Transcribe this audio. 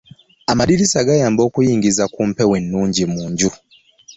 Amadirisa gayamba okuyingiza ku mpewo ennungi mu nju.